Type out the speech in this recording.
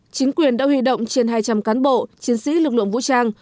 chính quyền đã huy động trên hai trăm linh cán bộ chiến sĩ lực lượng vũ trang